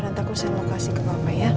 nanti aku selalu kasih ke papa ya